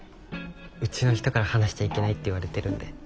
うちの人から話しちゃいけないって言われてるんで。